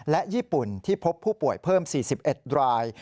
และญี่ปุ่นที่พบผู้ป่วยเพิ่ม๔๑ราย